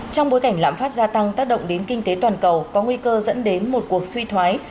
trong bối cảnh lãm phát gia tăng tác động đến kinh tế toàn cầu có nguy cơ dẫn đến một cuộc suy thoái